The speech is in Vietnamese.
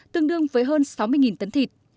tương đương với hơn sáu mươi tấn thịt